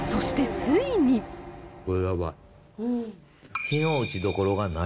これ、やばい。